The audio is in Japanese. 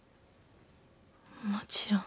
もちろん。